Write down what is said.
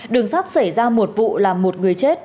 đường sát xảy ra một vụ là một người chết